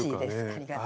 ありがとう。